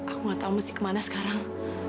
aku nggak tahu mesti ke mana sekarang